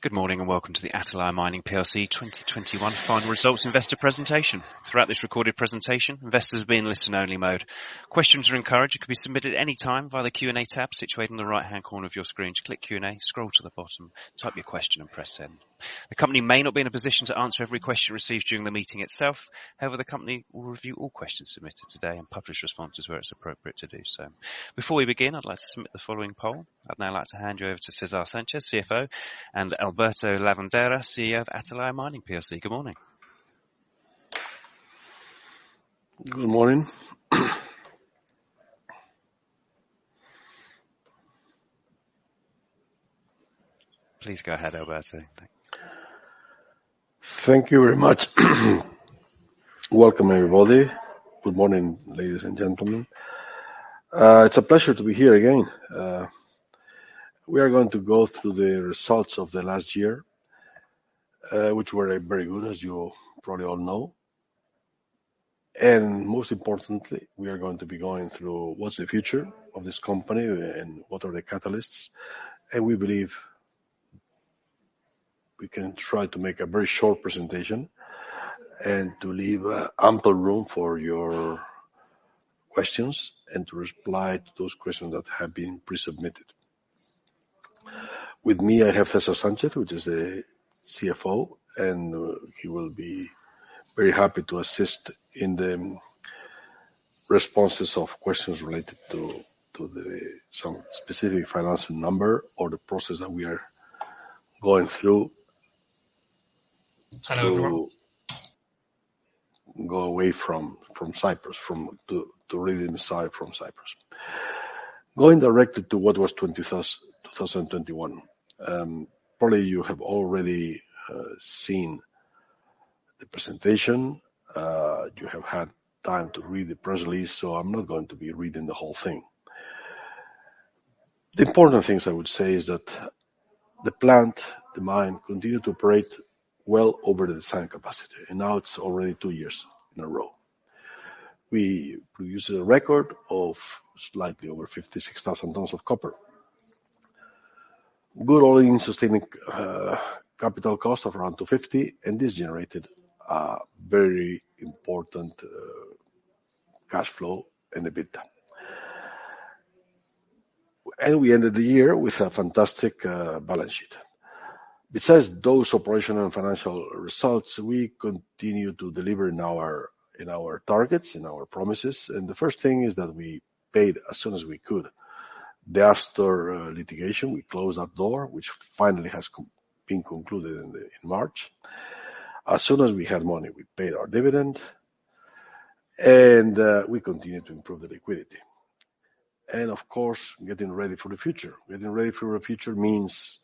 Good morning, and welcome to the Atalaya Mining PLC 2021 final results investor presentation. Throughout this recorded presentation, investors will be in listen only mode. Questions are encouraged and can be submitted any time via the Q&A tab situated in the right-hand corner of your screen. Just click Q&A, scroll to the bottom, type your question and press send. The company may not be in a position to answer every question received during the meeting itself. However, the company will review all questions submitted today and publish responses where it's appropriate to do so. Before we begin, I'd like to submit the following poll. I'd now like to hand you over to César Sánchez, CFO, and Alberto Lavandeira, CEO of Atalaya Mining PLC. Good morning. Good morning. Please go ahead, Alberto. Thank you. Thank you very much. Welcome, everybody. Good morning, ladies and gentlemen. It's a pleasure to be here again. We are going to go through the results of the last year, which were very good, as you probably all know. Most importantly, we are going to be going through what's the future of this company and what are the catalysts. We believe we can try to make a very short presentation and to leave ample room for your questions and to reply to those questions that have been pre-submitted. With me, I have César Sánchez, who is the CFO, and he will be very happy to assist in the responses of questions related to some specific financial numbers or the process that we are going through. Hello, everyone. To go away from Cyprus to really decide from Cyprus. Going directly to what was 2021. Probably you have already seen the presentation. You have had time to read the press release, so I'm not going to be reading the whole thing. The important things I would say is that the plant, the mine, continued to operate well over the design capacity, and now it's already two years in a row. We produced a record of slightly over 56,000 tons of copper. Good all-in sustaining capital cost of around $2.50, and this generated a very important cash flow and EBITDA. We ended the year with a fantastic balance sheet. Besides those operational and financial results, we continued to deliver in our targets, in our promises. The first thing is that we paid as soon as we could. The Astor litigation, we closed that door, which finally has been concluded in March. As soon as we had money, we paid our dividend and we continued to improve the liquidity. Of course, getting ready for the future means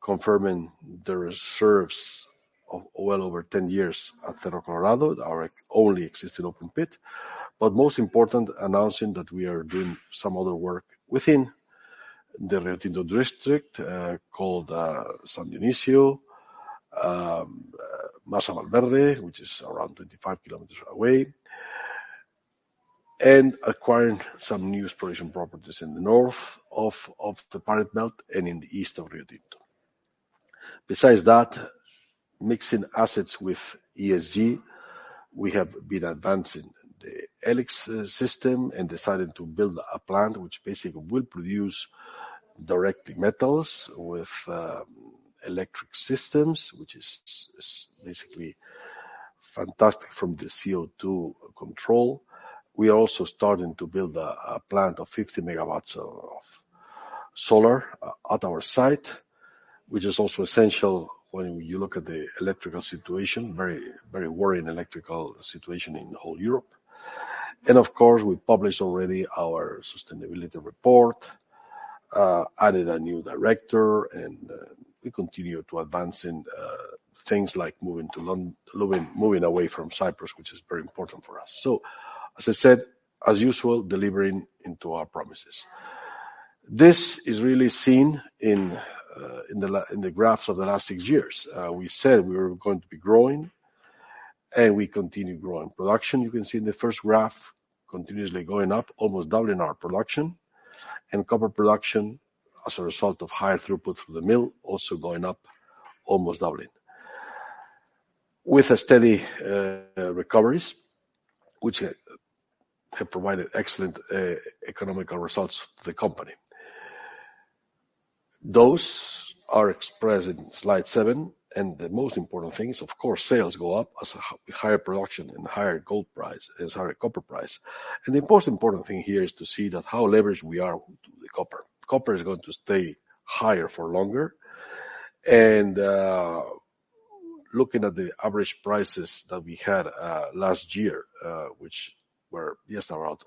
confirming the reserves of well over 10 years at Cerro Colorado, our only existing open pit. Most important, announcing that we are doing some other work within the Río Tinto district, called San Dionisio, Masa Valverde, which is around 25 kilometers away, and acquiring some new exploration properties in the north of the Pyrite Belt and in the east of Río Tinto. Besides that, mixing assets with ESG, we have been advancing the E-LIX system and decided to build a plant which basically will produce directly metals with electric systems, which is basically fantastic from the CO₂ control. We are also starting to build a plant of 50 MW of solar at our site, which is also essential when you look at the electrical situation, very worrying electrical situation in the whole Europe. Of course, we published already our sustainability report, added a new director and we continue to advance in things like moving away from Cyprus, which is very important for us. As I said, as usual, delivering into our promises. This is really seen in the graphs of the last six years. We said we were going to be growing and we continue growing. Production, you can see in the first graph, continuously going up, almost doubling our production. Copper production as a result of higher throughput through the mill, also going up, almost doubling. With a steady recoveries, which have provided excellent economical results to the company. Those are expressed in slide 7, and the most important thing is, of course, sales go up as a higher production and higher gold price and higher copper price. The most important thing here is to see that how leveraged we are to the copper. Copper is going to stay higher for longer. Looking at the average prices that we had last year, which were just around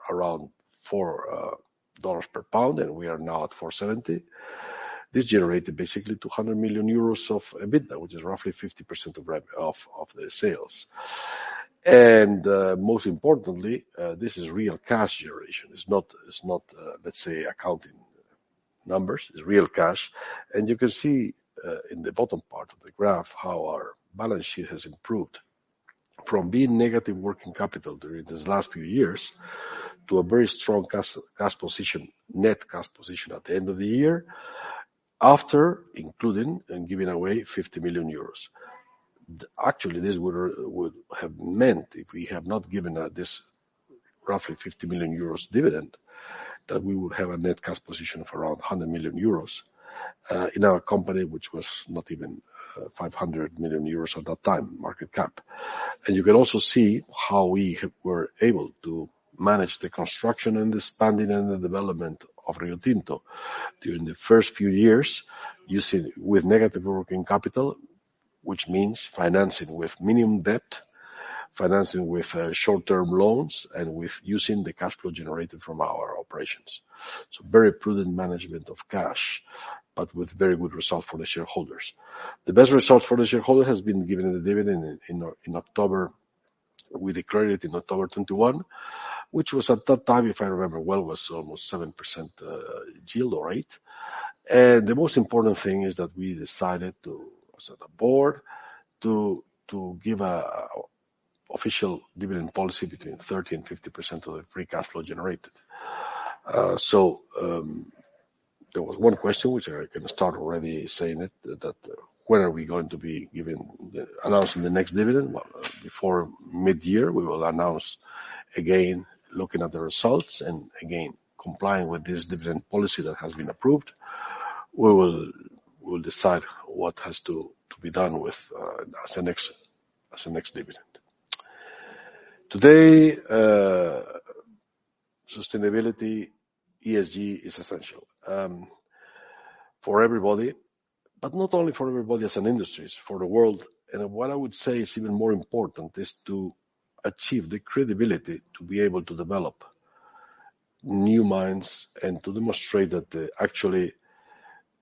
$4 per pound, and we are now at $4.70. This generated basically 200 million euros of EBITDA, which is roughly 50% of the sales. Most importantly, this is real cash generation. It's not, let's say, accounting numbers. It's real cash. You can see in the bottom part of the graph how our balance sheet has improved. From being negative working capital during these last few years to a very strong cash position, net cash position at the end of the year after including and giving away 50 million euros. Actually, this would have meant if we have not given out this roughly 50 million euros dividend, that we would have a net cash position of around 100 million euros in our company, which was not even 500 million euros at that time, market cap. You can also see how we have were able to manage the construction and the expanding and the development of Río Tinto during the first few years using with negative working capital, which means financing with minimum debt, financing with short-term loans, and with using the cash flow generated from our operations. Very prudent management of cash, but with very good result for the shareholders. The best result for the shareholder has been given the dividend in October. We declared it in October 2021, which was at that time, if I remember well, almost 7% yield or rate. The most important thing is that we decided to, as a board, give an official dividend policy between 30% and 50% of the free cash flow generated. So, there was one question, which I can start already saying it, that when are we going to be announcing the next dividend? Well, before mid-year, we will announce again, looking at the results and complying with this dividend policy that has been approved. We will decide what has to be done with as the next dividend. Today, sustainability, ESG is essential for everybody, but not only for everybody in industries, for the world. What I would say is even more important is to achieve the credibility to be able to develop new mines and to demonstrate that actually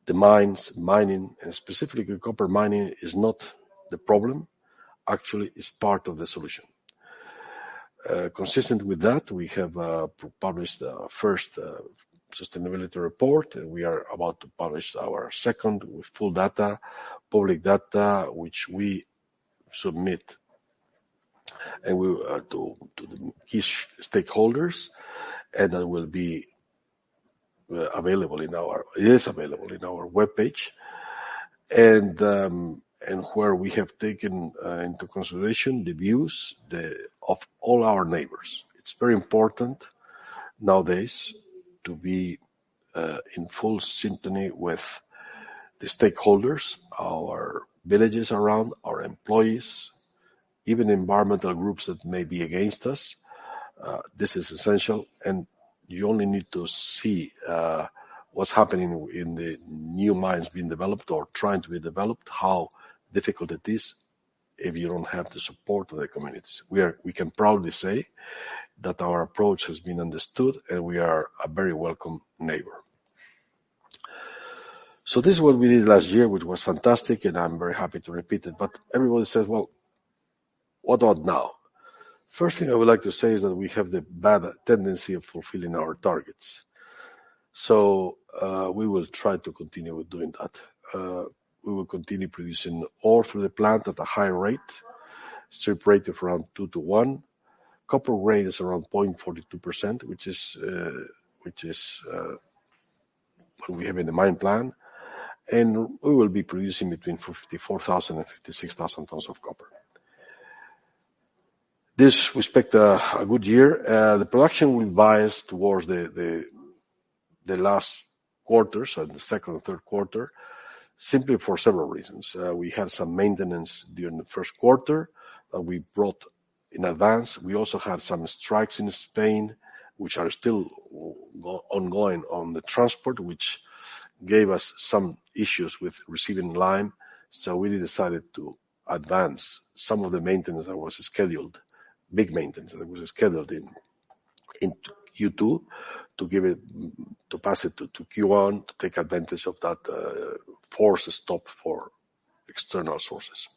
the mines, mining, and specifically copper mining is not the problem, actually is part of the solution. Consistent with that, we have published our first sustainability report, and we are about to publish our second with full data, public data, which we submit to the key stakeholders, and that will be available in our webpage. It is available in our webpage, where we have taken into consideration the views of all our neighbors. It's very important nowadays to be in full sympathy with the stakeholders, our villages around, our employees, even environmental groups that may be against us. This is essential, and you only need to see what's happening in the new mines being developed or trying to be developed, how difficult it is if you don't have the support of the communities. We can proudly say that our approach has been understood, and we are a very welcome neighbor. This is what we did last year, which was fantastic, and I'm very happy to repeat it. Everybody says, "Well, what about now?" First thing I would like to say is that we have the bad tendency of fulfilling our targets. We will try to continue with doing that. We will continue producing ore through the plant at a high rate, strip ratio of around two-one. Copper grade is around 0.42%, which is what we have in the mine plan. We will be producing between 54,000 and 56,000 tons of copper. This, we expect a good year. The production will be biased towards the latter quarters, the second and third quarter, simply for several reasons. We had some maintenance during the first quarter that we brought in advance. We also had some strikes in Spain, which are still ongoing on the transport, which gave us some issues with receiving lime. We decided to advance some of the maintenance that was scheduled, big maintenance that was scheduled in Q2, to Q1, to take advantage of that forced stop for external sources.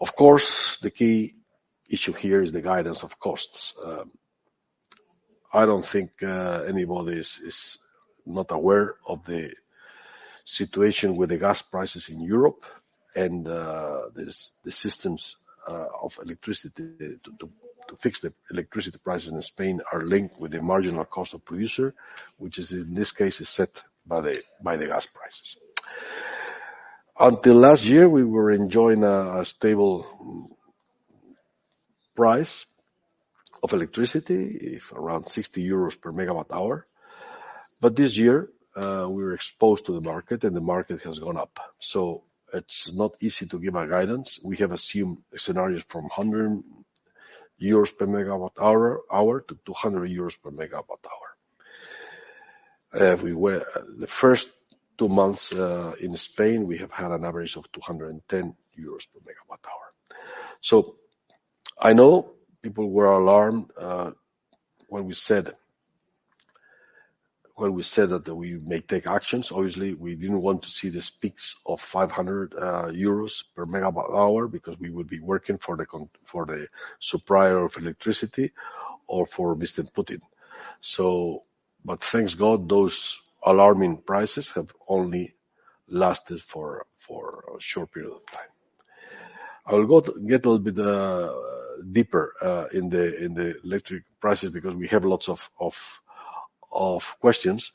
Of course, the key issue here is the guidance of costs. I don't think anybody is not aware of the situation with the gas prices in Europe and the systems of electricity. To fix the electricity prices in Spain are linked with the marginal cost of producer, which in this case is set by the gas prices. Until last year, we were enjoying a stable price of electricity, around EUR 60/MWh. This year, we're exposed to the market, and the market has gone up. It's not easy to give a guidance. We have assumed scenarios from EUR 100/MWh to EUR 200/MWh. The first two months in Spain, we have had an average of 210 euros/MWh. I know people were alarmed when we said that we may take actions. Obviously, we didn't want to see these peaks of 500 euros/MWh because we would be working for the supplier of electricity or for Mr. Putin. Thank God, those alarming prices have only lasted for a short period of time. I'll get a little bit deeper in the electricity prices because we have lots of questions.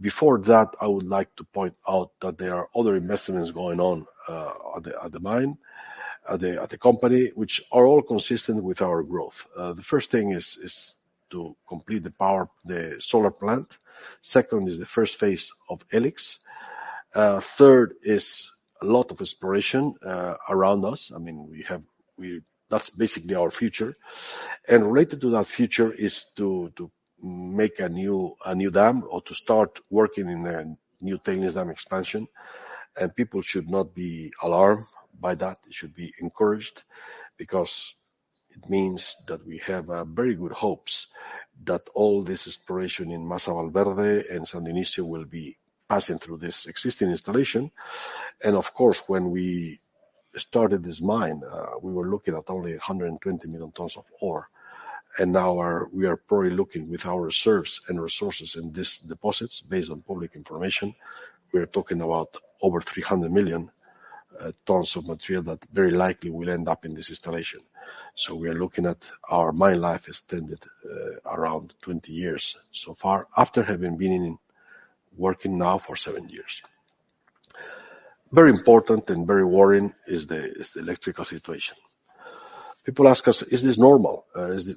Before that, I would like to point out that there are other investments going on at the mine, at the company, which are all consistent with our growth. The first thing is to complete the solar plant. Second is the first phase of E-LIX. Third is a lot of exploration around us. I mean, that's basically our future. Related to that future is to make a new dam or to start working in a new Tailings Dam expansion. People should not be alarmed by that. They should be encouraged because it means that we have very good hopes that all this exploration in Masa Valverde and San Dionisio will be passing through this existing installation. Of course, when we started this mine, we were looking at only 120 million tons of ore. Now we are probably looking with our reserves and resources in these deposits based on public information, we are talking about over 300 million tons of material that very likely will end up in this installation. We are looking at our mine life extended around 20 years so far after having been working now for seven years. Very important and very worrying is the electrical situation. People ask us, "Is this normal?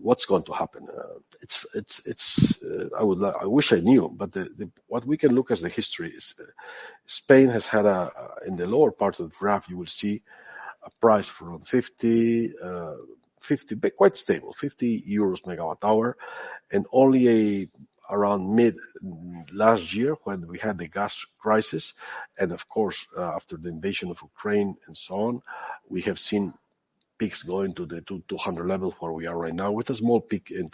What's going to happen? I wish I knew, but what we can look at is the history. Spain has had, in the lower part of the graph, you will see a price from 50, but quite stable, 50 euros/MWh, and only around mid last year when we had the gas crisis, and of course, after the invasion of Ukraine and so on, we have seen peaks going to the 200 level where we are right now with a small peak in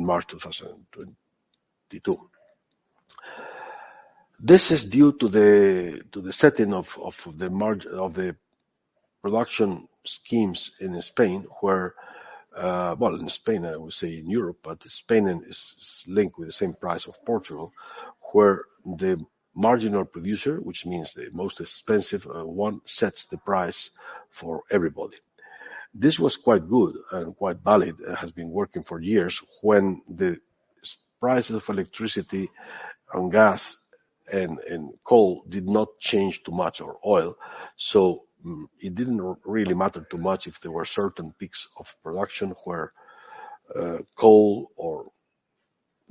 March 2022. This is due to the setting of the production schemes in Spain, where, well, in Spain, I would say in Europe, but Spain is linked with the same price of Portugal, where the marginal producer, which means the most expensive, one, sets the price for everybody. This was quite good and quite valid. It has been working for years when the prices of electricity and gas and coal did not change too much or oil. So it didn't really matter too much if there were certain peaks of production where coal or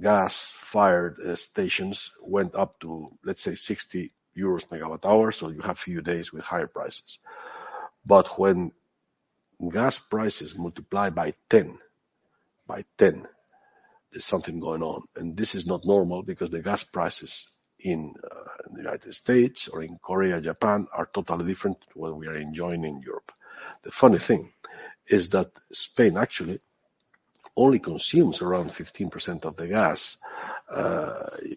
gas-fired stations went up to, let's say, 60 euros/MWh, so you have a few days with higher prices. When gas prices multiply by ten, there's something going on. This is not normal because the gas prices in the United States or in Korea, Japan, are totally different to what we are enjoying in Europe. The funny thing is that Spain actually only consumes around 15% of the gas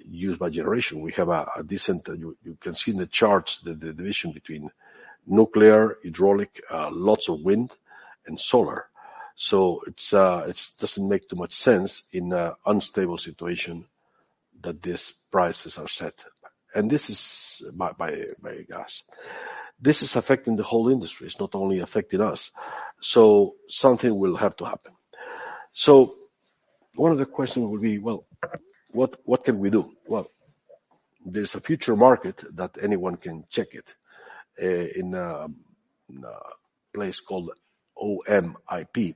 used by generation. You can see in the charts the division between nuclear, hydraulic, lots of wind and solar. It doesn't make too much sense in an unstable situation that these prices are set. This is by gas. This is affecting the whole industry. It's not only affecting us. Something will have to happen. One of the questions would be, well, what can we do? Well, there's a future market that anyone can check it in a place called OMIP.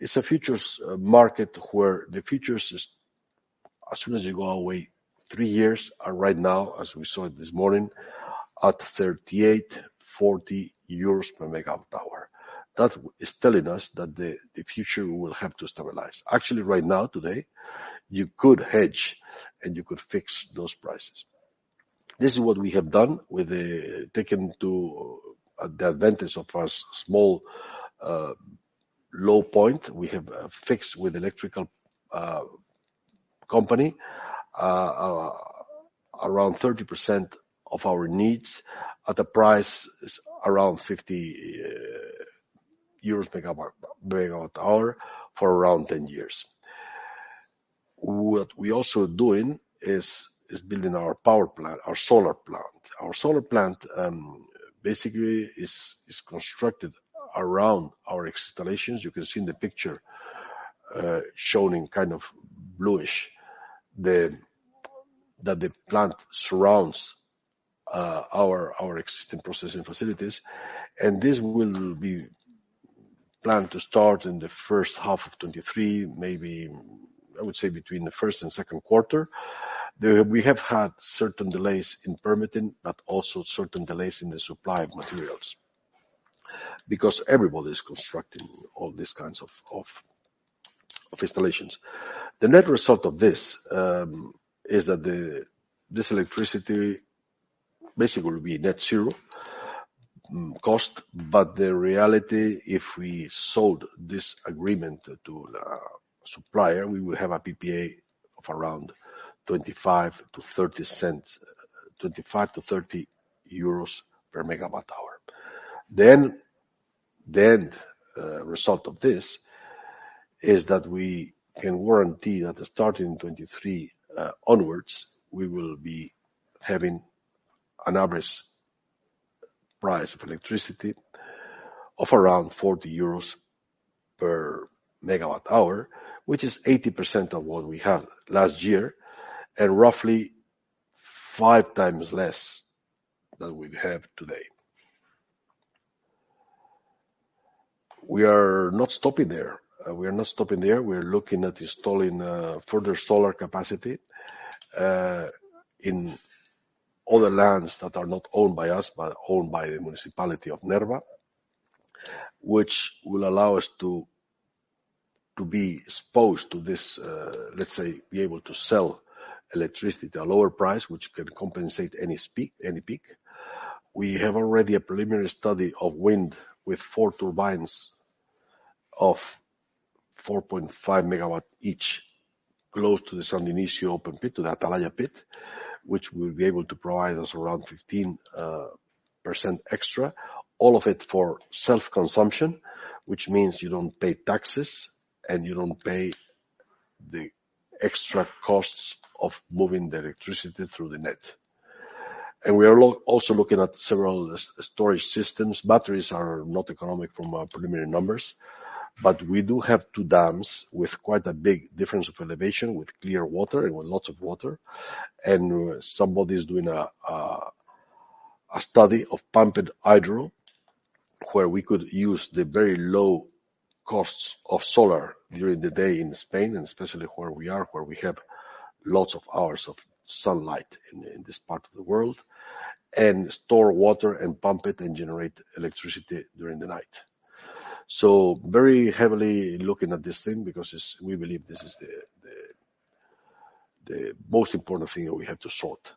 It's a futures market where the futures is as soon as you go away three years. Right now, as we saw it this morning, at 38 EUR/MWh-40 EUR/MWh. That is telling us that the future will have to stabilize. Actually, right now, today, you could hedge, and you could fix those prices. This is what we have done. We've taken advantage of a small low point. We have fixed with electrical company around 30% of our needs at a price around 50 EUR/MWh for around 10 years. What we're also doing is building our power plant, our solar plant. Our solar plant basically is constructed around our installations. You can see in the picture shown in kind of bluish that the plant surrounds our existing processing facilities, and this will be planned to start in the first half of 2023, maybe I would say between the first and second quarter. We have had certain delays in permitting, but also certain delays in the supply of materials because everybody's constructing all these kinds of installations. The net result of this is that this electricity basically will be net zero cost. The reality, if we sold this agreement to the supplier, we will have a PPA of around 25 cents-30 cents, 25 EUR/MWh-30 EUR/MWh. Then the end result of this is that we can guarantee that starting 2023 onwards, we will be having an average price of electricity of around 40 euros/MWh, which is 80% of what we had last year and roughly 5x less than we have today. We are not stopping there. We are looking at installing further solar capacity in other lands that are not owned by us, but owned by the municipality of Nerva, which will allow us to be exposed to this, let's say, be able to sell electricity at a lower price, which can compensate any peak. We have already a preliminary study of wind with four turbines of 4.5 MW each close to the San Dionisio open pit, to the Atalaya pit, which will be able to provide us around 15% extra, all of it for self-consumption, which means you don't pay taxes, and you don't pay the extra costs of moving the electricity through the net. We are also looking at several storage systems. Batteries are not economic from our preliminary numbers, but we do have two dams with quite a big difference of elevation, with clear water and with lots of water. Somebody is doing a study of pumped hydro, where we could use the very low costs of solar during the day in Spain, and especially where we are, where we have lots of hours of sunlight in this part of the world, and store water and pump it and generate electricity during the night. Very heavily looking at this thing because it's we believe this is the most important thing that we have to sort.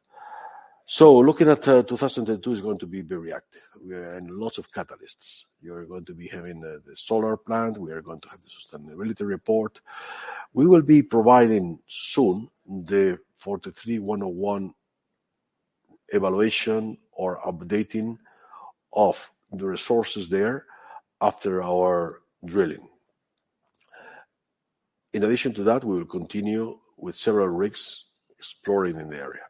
Looking at 2022 is going to be very active. We are in lots of catalysts. You are going to be having the solar plant. We are going to have the sustainability report. We will be providing soon the NI 43-101 evaluation or updating of the resources there after our drilling. In addition to that, we will continue with several rigs exploring in the area.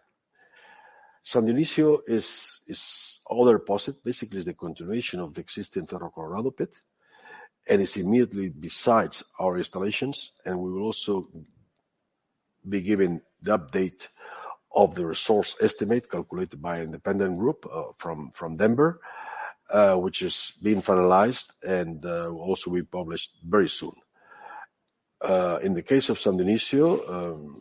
San Dionisio is other deposit. Basically, it's the continuation of the existing Cerro Colorado pit, and it's immediately beside our installations, and we will also be giving the update of the resource estimate calculated by an independent group from Denver, which is being finalized and will also be published very soon. In the case of San Dionisio,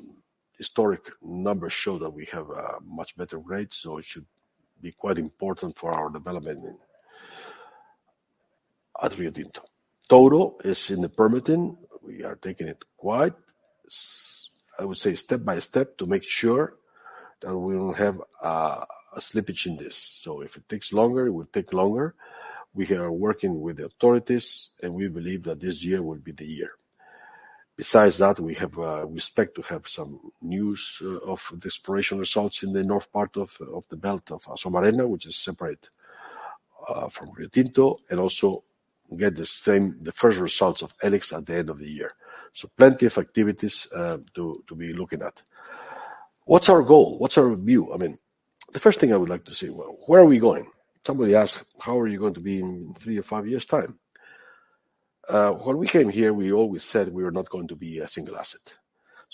historic numbers show that we have a much better rate, so it should be quite important for our development at Riotinto. Touro is in the permitting. We are taking it quite step by step to make sure that we don't have a slippage in this. If it takes longer, it will take longer. We are working with the authorities, and we believe that this year will be the year. Besides that, we expect to have some news of the exploration results in the north part of the Pyrite Belt, which is separate from Rio Tinto, and also the first results of E-LIX at the end of the year. Plenty of activities to be looking at. What's our goal? What's our view? I mean, the first thing I would like to say, well, where are we going? Somebody asked, "How are you going to be in three years-five years' time?" When we came here, we always said we are not going to be a single asset.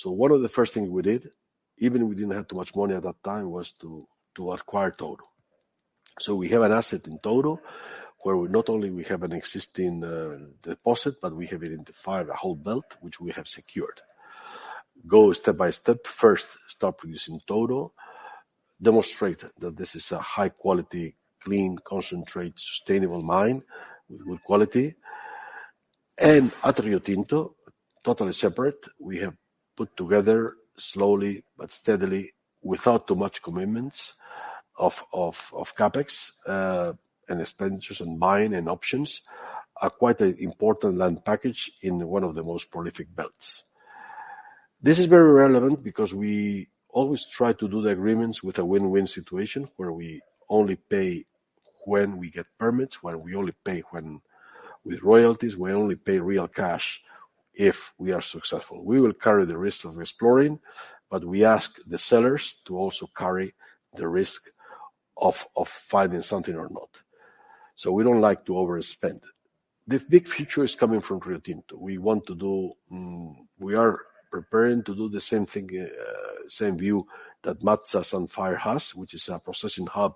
One of the first things we did, even we didn't have too much money at that time, was to acquire Touro. We have an asset in Touro where we not only have an existing deposit, but we have identified a whole belt which we have secured. Go step by step. First, start producing Touro. Demonstrate that this is a high quality, clean concentrate, sustainable mine with good quality. At Riotinto, totally separate, we have put together slowly but steadily, without too much commitments of CapEx and expenditures. In mining and options are quite an important land package in one of the most prolific belts. This is very relevant because we always try to do the agreements with a win-win situation where we only pay when we get permits, where we only pay with royalties. We only pay real cash if we are successful. We will carry the risk of exploring, but we ask the sellers to also carry the risk of finding something or not. We don't like to overspend. The big future is coming from Rio Tinto. We want to do. We are preparing to do the same thing, same view that MATSA Sandfire has, which is a processing hub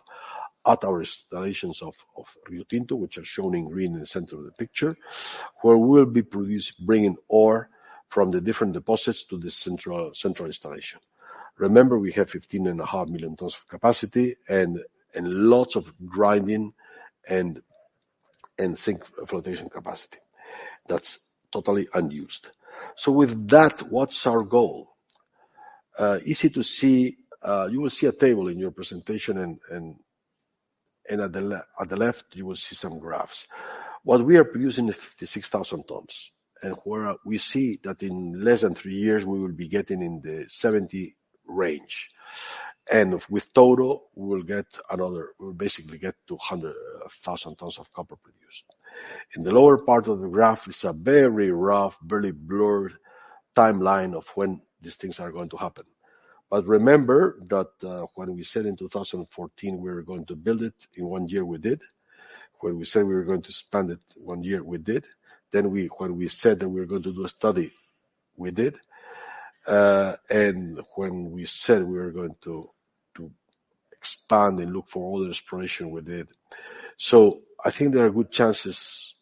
at our installations of Rio Tinto, which are shown in green in the center of the picture, where we'll be bringing ore from the different deposits to this central installation. Remember, we have 15.5 million tons of capacity and lots of grinding and zinc flotation capacity that's totally unused. With that, what's our goal? Easy to see. You will see a table in your presentation and at the left, you will see some graphs. What we are producing is 56,000 tons, and where we see that in less than three years, we will be getting in the 70 range. With total, we'll basically get to 100,000 tons of copper produced. In the lower part of the graph is a very rough, very blurred timeline of when these things are going to happen. Remember that, when we said in 2014, we were going to build it in one year, we did. When we said we were going to expand it one year, we did. When we said that we were going to do a study, we did. When we said we were going to expand and look for other exploration, we did. I think there are good chances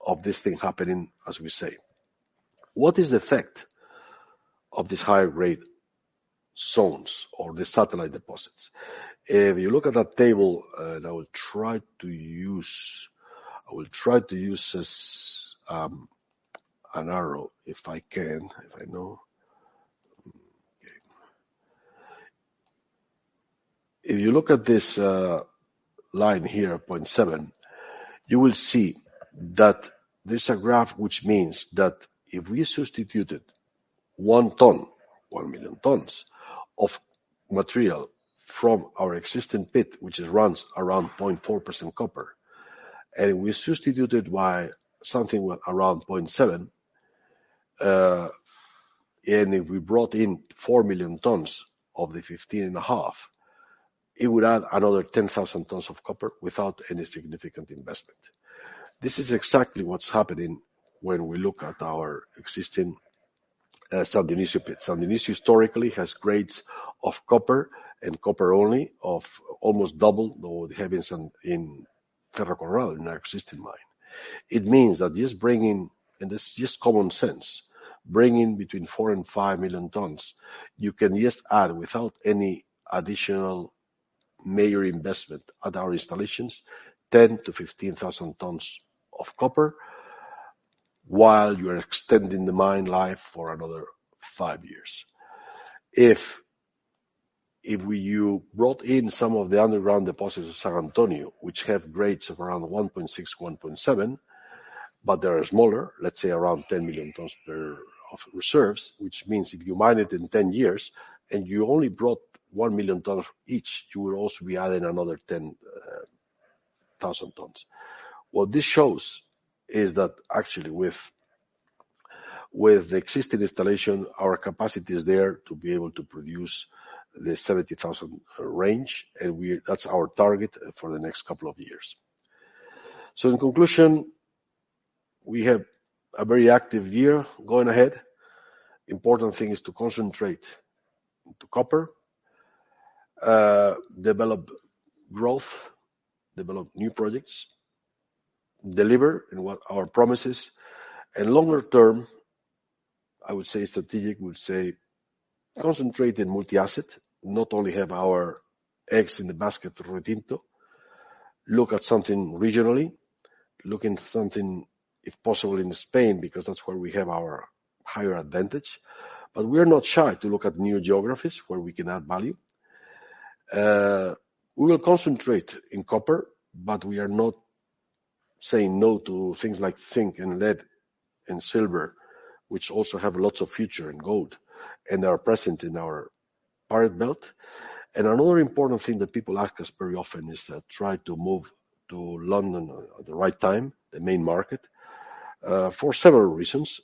of this thing happening as we say. What is the effect of these high-grade zones or the satellite deposits? If you look at that table, I will try to use this arrow, if I can. Okay. If you look at this line here, 0.7, you will see that there's a graph, which means that if we substituted 1 million tons of material from our existing pit, which runs around 0.4% copper, and we substitute it by something around 0.7, and if we brought in 4 million tons of the 15.5, it would add another 10,000 tons of copper without any significant investment. This is exactly what's happening when we look at our existing San Dionisio pit. San Dionisio historically has grades of copper and copper only of almost double or they have in Cerro Colorado in our existing mine. It means that just bringing, and this is just common sense, bringing between 4 million tons-5 million tons, you can just add, without any additional major investment at our installations, 10,000 tons-15,000 tons of copper while you are extending the mine life for another five years. If you brought in some of the underground deposits of San Antonio, which have grades of around 1.6, 1.7, but they are smaller, let's say around 10 million tons of reserves, which means if you mine it in 10 years and you only brought 1 million tons each, you will also be adding another 10,000 tons. What this shows is that actually with the existing installation, our capacity is there to be able to produce the 70,000 range. That's our target for the next couple of years. In conclusion, we have a very active year going ahead. Important thing is to concentrate into copper, develop growth, develop new projects, deliver in what our promise is. Longer term, I would say strategic, we'd say concentrate in multi-asset, not only have our eggs in the basket of Riotinto. Look at something regionally. Look into something, if possible, in Spain, because that's where we have our higher advantage. But we are not shy to look at new geographies where we can add value. We will concentrate in copper, but we are not saying no to things like zinc and lead and silver, which also have lots of future, and gold and are present in our Pyrite Belt. Another important thing that people ask us very often is to try to move to London at the right time, the main market, for several reasons.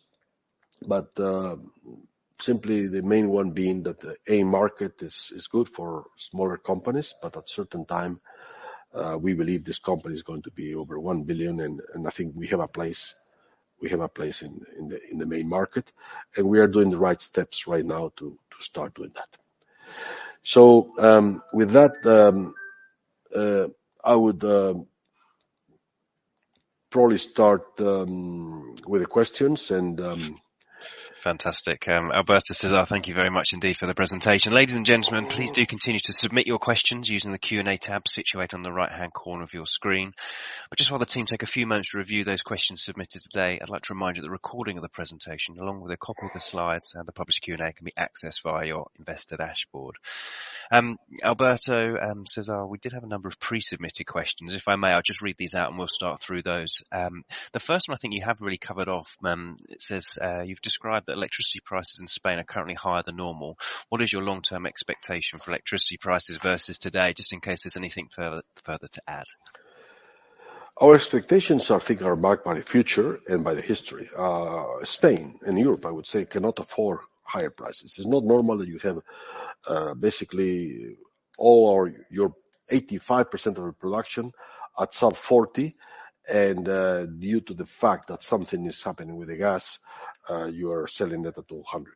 Simply the main one being that the AIM market is good for smaller companies. At a certain time, we believe this company is going to be over $1 billion, and I think we have a place in the main market. We are doing the right steps right now to start with that. With that, I would probably start with the questions and Fantastic. Alberto, César, thank you very much indeed for the presentation. Ladies and gentlemen, please do continue to submit your questions using the Q&A tab situated on the right-hand corner of your screen. Just while the team take a few moments to review those questions submitted today, I'd like to remind you the recording of the presentation along with a copy of the slides and the published Q&A can be accessed via your investor dashboard. Alberto and César, we did have a number of pre-submitted questions. If I may, I'll just read these out and we'll start through those. The first one I think you have really covered off. It says, you've described that electricity prices in Spain are currently higher than normal. What is your long-term expectation for electricity prices versus today, just in case there's anything further to add? Our expectations are figured marked by the future and by the history. Spain and Europe, I would say, cannot afford higher prices. It's not normal that you have, basically all of your 85% of your production at sub-40 and, due to the fact that something is happening with the gas, you are selling it at 200.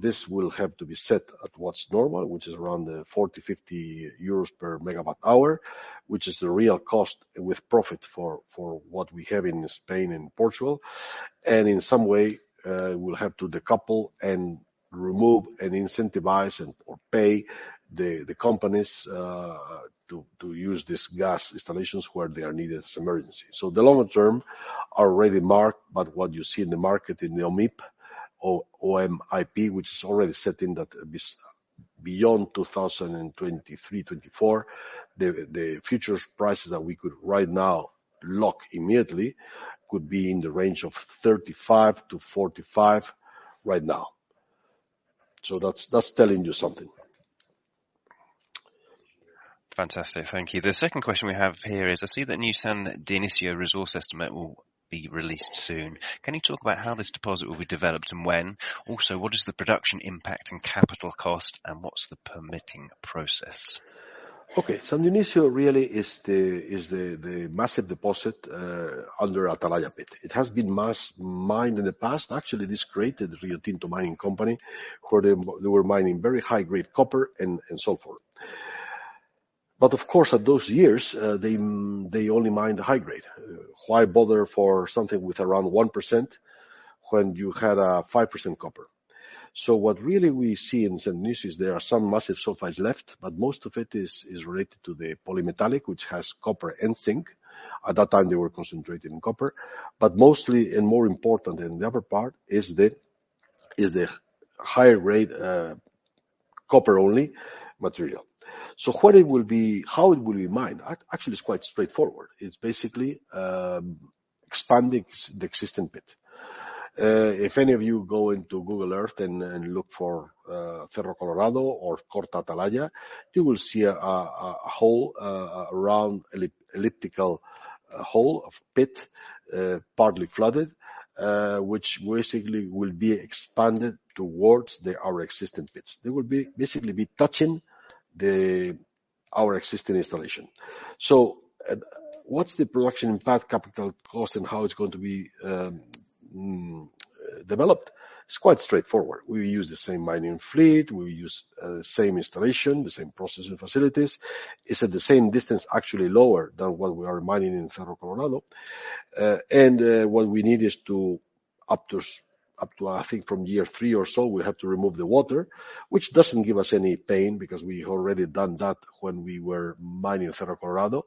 This will have to be set at what's normal, which is around 40 EUR/MWh-50 EUR/MWh, which is the real cost with profit for what we have in Spain and Portugal. In some way, we'll have to decouple and remove and incentivize and/or pay the companies to use these gas installations where they are needed as emergency. The longer term are already marked, but what you see in the market in the OMIP, O-M-I-P, which is already set in that beyond 2023, 2024, the futures prices that we could right now lock immediately could be in the range of 35-45 right now. That's telling you something. Fantastic. Thank you. The second question we have here is, I see that San Dionisio resource estimate will be released soon. Can you talk about how this deposit will be developed and when? Also, what is the production impact and capital cost, and what's the permitting process? Okay. San Dionisio really is the massive deposit under Atalaya pit. It has been mass mined in the past. Actually, this created Rio Tinto Company, where they were mining very high grade copper and sulfur. Of course, at those years, they only mined the high grade. Why bother for something with around 1% when you had 5% copper? What really we see in San Dionisio is there are some massive sulfides left, but most of it is related to the polymetallic, which has copper and zinc. At that time, they were concentrated in copper. Mostly, and more important in the upper part, is the higher grade copper-only material. How it will be mined actually is quite straightforward. It's basically expanding the existing pit. If any of you go into Google Earth and look for Cerro Colorado or Corta Atalaya, you will see a round elliptical hole of pit, partly flooded, which basically will be expanded towards our existing pits. They will basically be touching our existing installation. What's the production impact, capital cost, and how it's going to be developed? It's quite straightforward. We use the same mining fleet, we use same installation, the same processing facilities. It's at the same distance, actually lower than what we are mining in Cerro Colorado. What we need is up to, I think from year three or so, we have to remove the water, which doesn't give us any pain because we already done that when we were mining Cerro Colorado.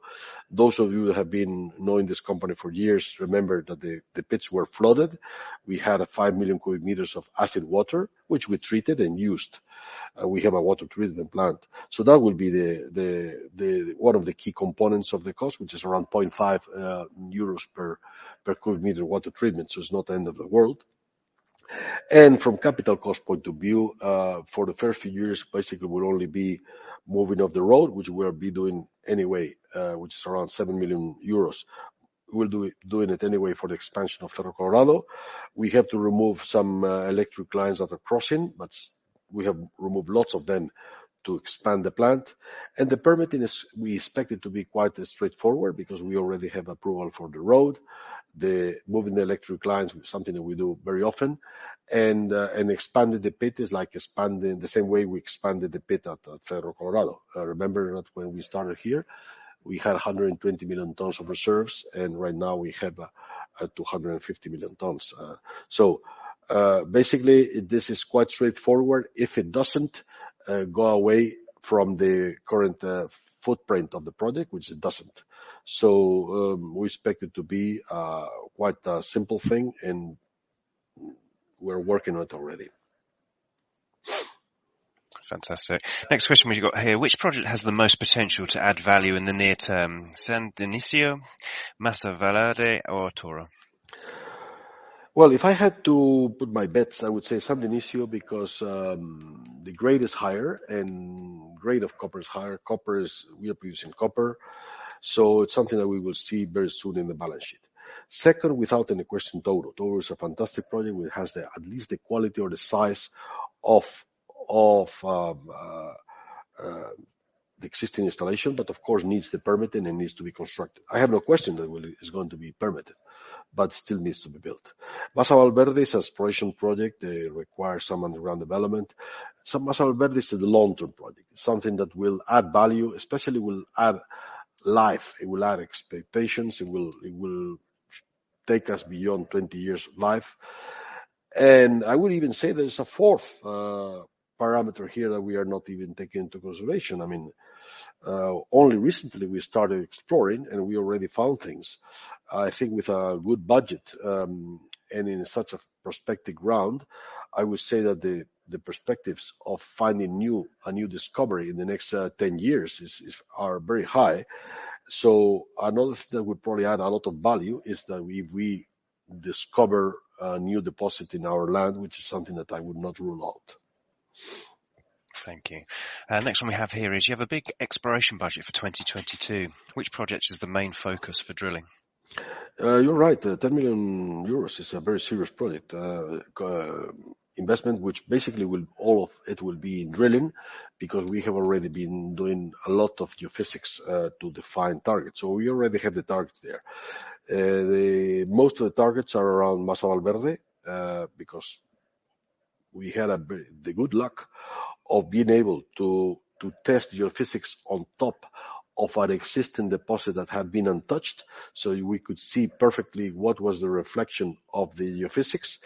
Those of you who have been knowing this company for years, remember that the pits were flooded. We had 5 million cubic meters of acid water, which we treated and used. We have a water treatment plant. That will be the one of the key components of the cost, which is around 0.5 euros per cubic meter water treatment, so it's not the end of the world. From capital cost point of view, for the first few years, basically we'll only be moving the road, which we'll be doing anyway, which is around 7 million euros. We'll do it anyway for the expansion of Cerro Colorado. We have to remove some electric lines that are crossing, but we have removed lots of them to expand the plant. The permitting is we expect it to be quite straightforward because we already have approval for the road. The moving the electric lines, something that we do very often. Expanding the pit is like expanding the same way we expanded the pit at Cerro Colorado. Remember that when we started here, we had 120 million tons of reserves, and right now we have 250 million tons. Basically this is quite straightforward. If it doesn't go away from the current footprint of the project, which it doesn't. We expect it to be quite a simple thing and we're working on it already. Fantastic. Next question we've got here. Which project has the most potential to add value in the near term: San Dionisio, Masa Valverde or Touro? Well, if I had to put my bets, I would say San Dionisio because the grade is higher and grade of copper is higher. Copper is. We are producing copper, so it's something that we will see very soon in the balance sheet. Second, without any question, Touro. Touro is a fantastic project, which has at least the quality or the size of the existing installation, but of course needs the permit and it needs to be constructed. I have no question that it's going to be permitted, but still needs to be built. Masa Valverde is exploration project. It requires some underground development. Masa Valverde is a long-term project, something that will add value, especially will add life. It will add expectations. It will take us beyond 20 years of life. I would even say there's a fourth parameter here that we are not even taking into consideration. I mean, only recently we started exploring and we already found things. I think with a good budget, and in such a prospective ground, I would say that the perspectives of finding a new discovery in the next 10 years are very high. Another thing that would probably add a lot of value is that we discover a new deposit in our land, which is something that I would not rule out. Thank you. Next one we have here is, you have a big exploration budget for 2022. Which project is the main focus for drilling? You're right. 10 million euros is a very serious project investment, which basically all of it will be in drilling because we have already been doing a lot of geophysics to define targets. We already have the targets there. Most of the targets are around Masa Valverde, because we had the good luck of being able to test geophysics on top of an existing deposit that had been untouched. We could see perfectly what was the reflection of the geophysics.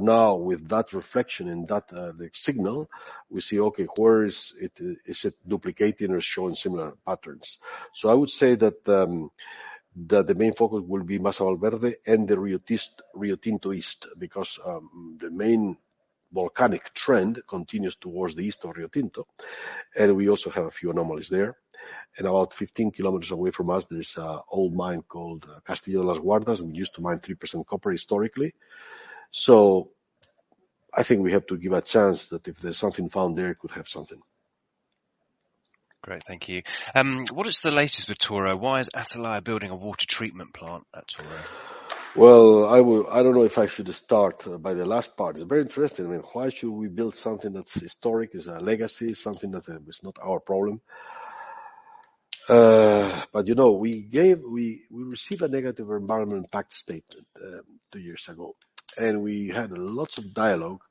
Now with that reflection and that the signal, we see, okay, where is it? Is it duplicating or showing similar patterns? I would say that the main focus will be Masa Valverde and the Riotinto East because the main volcanic trend continues towards the east of Rio Tinto, and we also have a few anomalies there. About 15 kilometers away from us, there's an old mine called Castillo de las Guardas, and we used to mine 3% copper historically. I think we have to give a chance that if there's something found there, it could have something. Great. Thank you. What is the latest with Touro? Why is Atalaya building a water treatment plant at Touro? Well, I don't know if I should start by the last part. It's very interesting. Why should we build something that's historic, is a legacy, something that is not our problem? You know, we received a negative environmental impact statement two years ago, and we had lots of dialogue,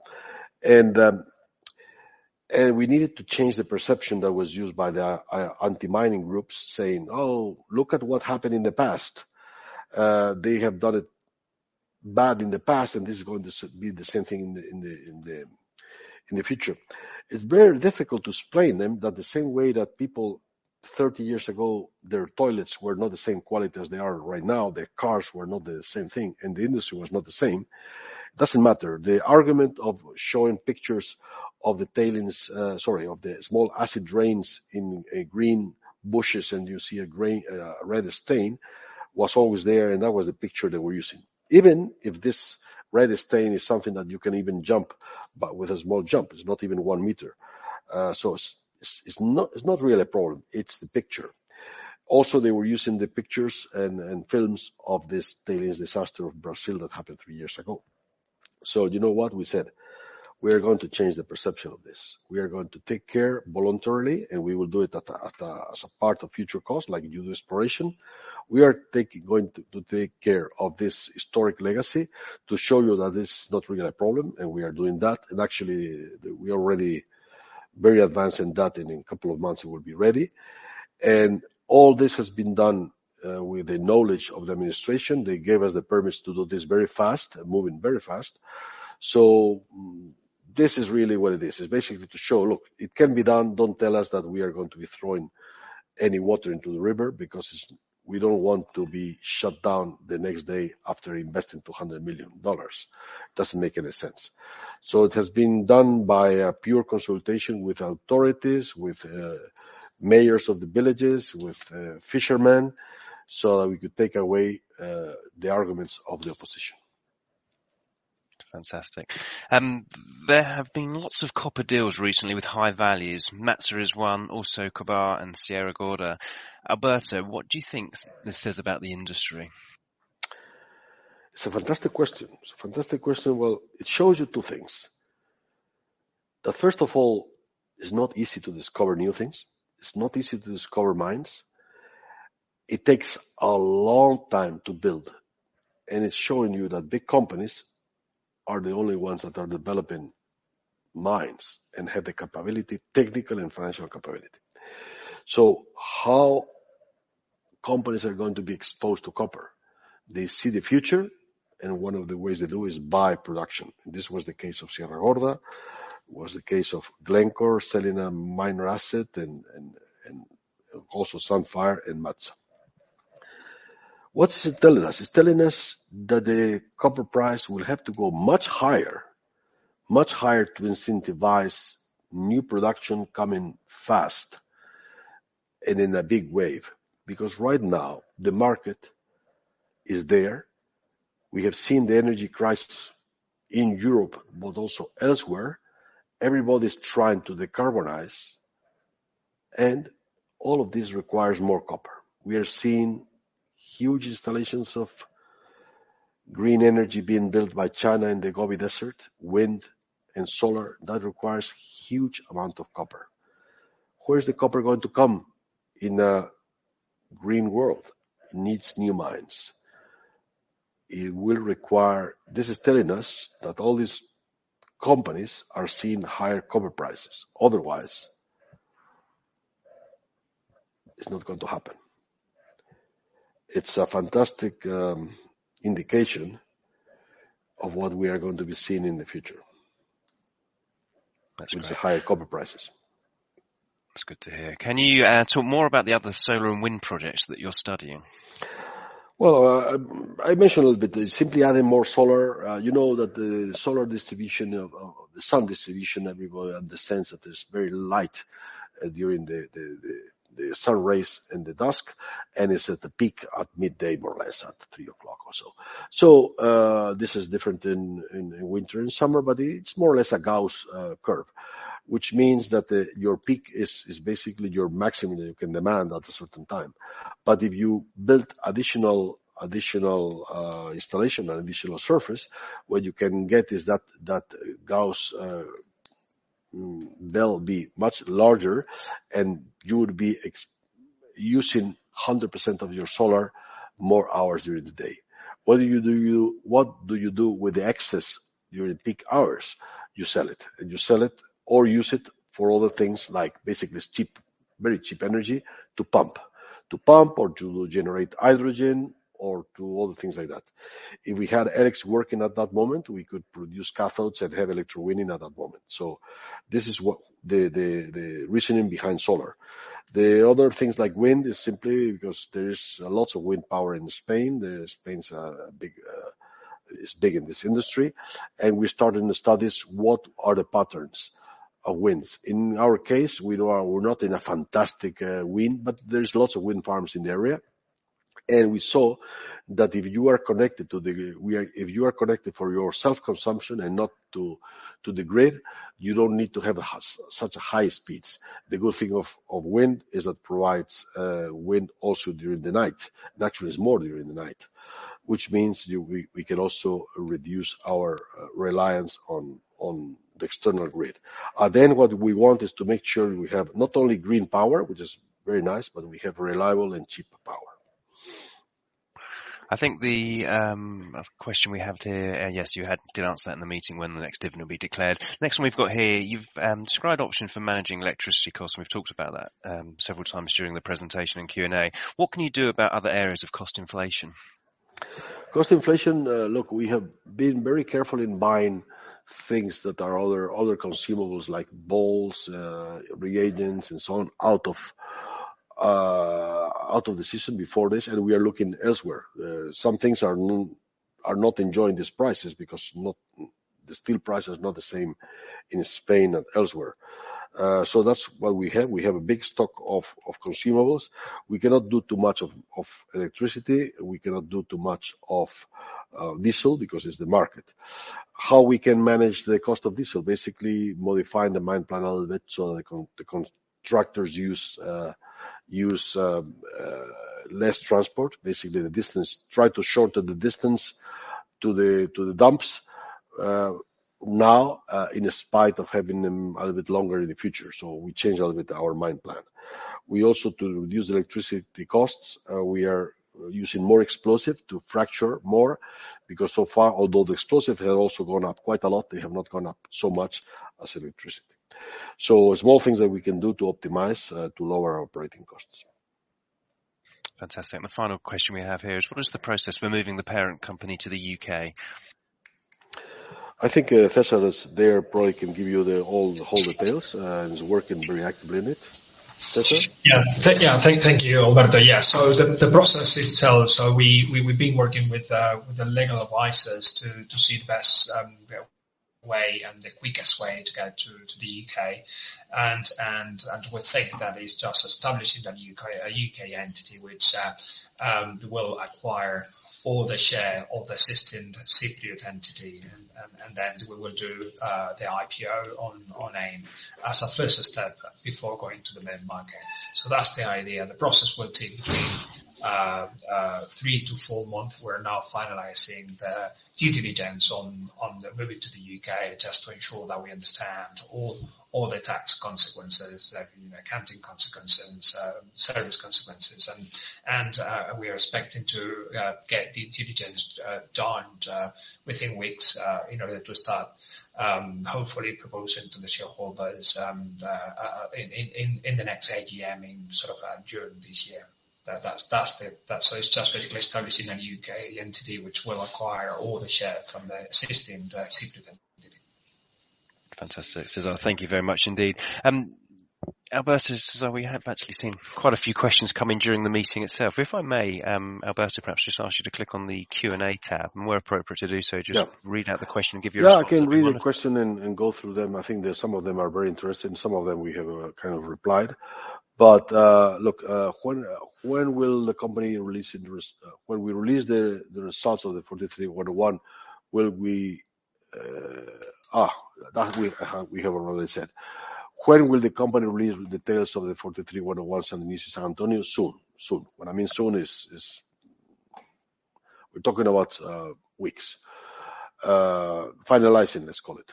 and we needed to change the perception that was used by the anti-mining groups saying, "Oh, look at what happened in the past. They have done it bad in the past, and this is going to be the same thing in the future. It's very difficult to explain them that the same way that people thirty years ago, their toilets were not the same quality as they are right now, their cars were not the same thing, and the industry was not the same. It doesn't matter. The argument of showing pictures of the tailings, sorry, of the small acid drains in green bushes and you see a gray, a red stain was always there, and that was the picture they were using. Even if this red stain is something that you can even jump by with a small jump. It's not even one meter. It's not really a problem. It's the picture. Also, they were using the pictures and films of this tailings disaster of Brazil that happened three years ago. You know what? We said, "We're going to change the perception of this. We are going to take care voluntarily, and we will do it as a part of future cost, like you do exploration. We are going to take care of this historic legacy to show you that it's not really a problem, and we are doing that." Actually, we already very advanced in that, and in a couple of months, it will be ready. All this has been done with the knowledge of the administration. They gave us the permits to do this very fast and moving very fast. This is really what it is. It's basically to show, look, it can be done. Don't tell us that we are going to be throwing any water into the river because we don't want to be shut down the next day after investing $200 million. It doesn't make any sense. It has been done by prior consultation with authorities, with mayors of the villages, with fishermen, so that we could take away the arguments of the opposition. Fantastic. There have been lots of copper deals recently with high values. MATSA is one, also KGHM and Sierra Gorda. Alberto, what do you think this says about the industry? It's a fantastic question. Well, it shows you two things that first of all, it's not easy to discover new things. It's not easy to discover mines. It takes a long time to build, and it's showing you that big companies are the only ones that are developing mines and have the capability, technical and financial capability. How companies are going to be exposed to copper? They see the future, and one of the ways they do is buy production. This was the case of Sierra Gorda. It was the case of Glencore selling a minor asset and also Sandfire and MATSA. What is it telling us? It's telling us that the copper price will have to go much higher, much higher to incentivize new production coming fast and in a big wave. Because right now, the market is there. We have seen the energy crisis in Europe, but also elsewhere. Everybody's trying to decarbonize, and all of this requires more copper. We are seeing huge installations of green energy being built by China in the Gobi Desert, wind and solar. That requires huge amount of copper. Where is the copper going to come in a green world? It needs new mines. It will require. This is telling us that all these companies are seeing higher copper prices. Otherwise, it's not going to happen. It's a fantastic indication of what we are going to be seeing in the future. That's right. Which is the higher copper prices. That's good to hear. Can you talk more about the other solar and wind projects that you're studying? Well, I mentioned a little bit. Simply adding more solar, you know that the solar distribution of the sun distribution, everybody understands that it's very light during the sunrise and the dusk, and it's at the peak at midday, more or less at three o'clock or so. This is different in winter and summer, but it's more or less a Gaussian curve, which means that your peak is basically your maximum you can demand at a certain time. If you build additional installation or additional surface, what you can get is that Gaussian bell be much larger, and you would be using 100% of your solar more hours during the day. What do you do with the excess during peak hours? You sell it. You sell it or use it for other things like basically it's cheap, very cheap energy to pump or to generate hydrogen or to other things like that. If we had E-LIX working at that moment, we could produce cathodes and have electrowinning at that moment. This is what the reasoning behind solar. The other things like wind is simply because there is lots of wind power in Spain. Spain's a big is big in this industry. We started the studies, what are the patterns of winds? In our case, we know we're not in a fantastic wind, but there's lots of wind farms in the area. We saw that if you are connected for your self-consumption and not to the grid, you don't need to have such a high speeds. The good thing of wind is it provides wind also during the night. Actually it's more during the night, which means we can also reduce our reliance on the external grid. What we want is to make sure we have not only green power, which is very nice, but we have reliable and cheap power. I think the question we have here. Yes, you did answer that in the meeting when the next dividend will be declared. Next one we've got here, you've described option for managing electricity costs, and we've talked about that several times during the presentation and Q&A. What can you do about other areas of cost inflation? Cost inflation, look, we have been very careful in buying things that are other consumables, like balls, reagents, and so on, out of the system before this, and we are looking elsewhere. Some things are not enjoying these prices because the steel price is not the same in Spain and elsewhere. That's what we have. We have a big stock of consumables. We cannot do too much of electricity. We cannot do too much of diesel because it's the market. How we can manage the cost of diesel, basically modifying the mine plan a little bit so the contractors use less transport, basically the distance. Try to shorten the distance to the dumps now, in spite of having them a little bit longer in the future. We change a little bit our mine plan. We also, to reduce electricity costs, we are using more explosive to fracture more because so far, although the explosive have also gone up quite a lot, they have not gone up so much as electricity. Small things that we can do to optimize, to lower our operating costs. Fantastic. The final question we have here is what is the process for moving the parent company to the UK? I think, César is there, probably can give you the whole details, and is working very actively in it. César? Yeah. Thank you, Alberto. Yeah. The process itself. We've been working with the legal advisors to see the best way and the quickest way to get to the UK. We think that is just establishing a UK entity which will acquire all the share of the existing Cypriot entity. Then we will do the IPO on AIM as a first step before going to the main market. That's the idea. The process will take between three to four months. We're now finalizing the due diligence on the moving to the UK just to ensure that we understand all the tax consequences, you know, accounting consequences, sales consequences. We are expecting to get the due diligence done within weeks in order to start hopefully proposing to the shareholders in the next AGM in sort of during this year. That's it. That's just basically establishing a UK entity which will acquire all the share from the existing Cypriot entity. Fantastic. César, thank you very much indeed. Alberto, we have actually seen quite a few questions come in during the meeting itself. If I may, Alberto, perhaps just ask you to click on the Q&A tab, and where appropriate to do so. Yeah. Just read out the question and give your answer. Yeah, I can read a question and go through them. I think that some of them are very interesting. Some of them we have kind of replied. Look, when will the company release the results of the 43-101, will we? That we have already said. When will the company release the details of the 43-101s in San Antonio? Soon. Soon. What I mean by soon is we're talking about weeks. Finalizing, let's call it.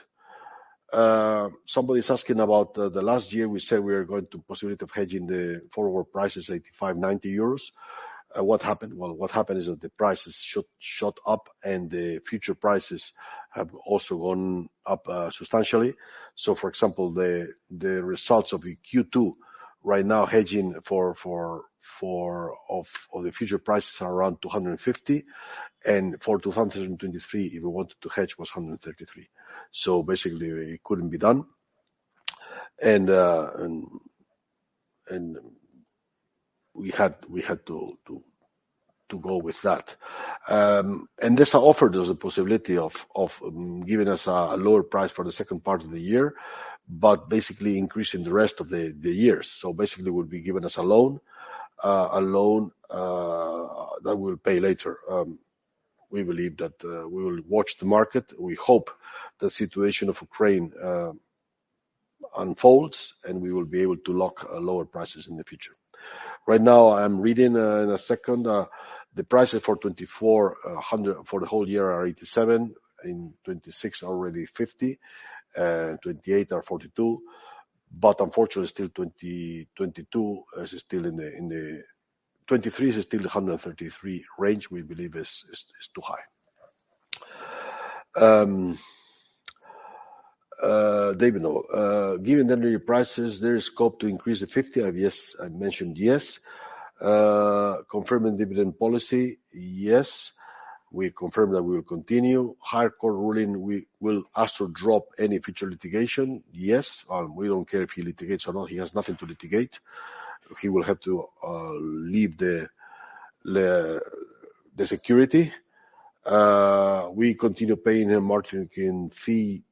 Somebody's asking about last year, we said we are going to possibility of hedging the forward prices 85-90 euros. What happened? What happened is that the prices shot up and the future prices have also gone up substantially. For example, the results of Q2 right now hedging for the future prices are around $250. For 2023, if we wanted to hedge, it was $133. Basically, it couldn't be done. We had to go with that. This offered us a possibility of giving us a lower price for the second part of the year, but basically increasing the rest of the years. Basically, it would be giving us a loan. A loan that we'll pay later. We believe that we will watch the market. We hope the situation of Ukraine unfolds, and we will be able to lock lower prices in the future. Right now, I'm reading in a second the prices for 2024 for the whole year are 87. In 2026, already 50. In 2028 are 42. Unfortunately, still 2022 is still in the 2023 is still the 133 range, we believe is too high. David, given the energy prices, there is scope to increase the 50. Yes, I mentioned yes. Confirming dividend policy, yes. We confirm that we will continue. High court ruling, we will ask to drop any future litigation. Yes. We don't care if he litigates or not. He has nothing to litigate. He will have to leave the security. We continue paying a margin fee,